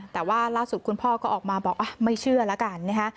แต่ว่าล่าสุดคุณพ่อก็ออกมาบอกไม่เชื่อแล้วกันนะฮะ